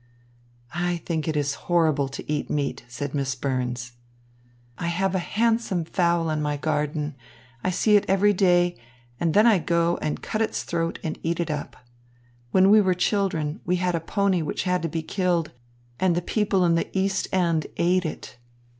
"I think it is horrible to eat meat," said Miss Burns. "I have a handsome fowl in my garden. I see it every day, and then I go and cut its throat and eat it up. When we were children, we had a pony which had to be killed, and the people in the East End ate it."